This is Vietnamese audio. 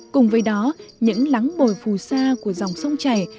cùng với đó những lắng bồi phù sa của dòng sông chảy